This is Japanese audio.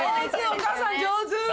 お母さん上手！